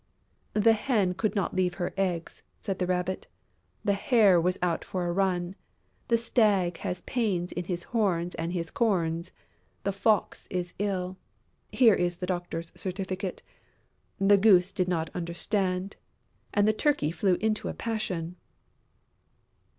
"The Hen could not leave her eggs," said the Rabbit, "the Hare was out for a run, the Stag has pains in his horns and his corns, the Fox is ill here is the doctor's certificate the Goose did not understand and the Turkey flew into a passion...."